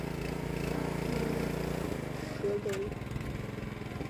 隆格雷。